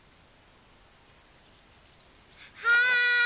はい！